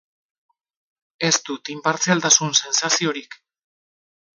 Ez dut inpartzialtasun sentsaziorik.